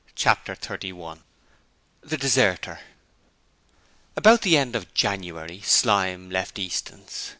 Chapter 31 The Deserter About the end of January, Slyme left Easton's.